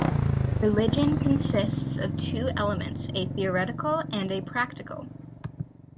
Religion consists of two elements, a theoretical and a practical.